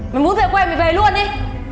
mày muốn về quê mày về luôn đi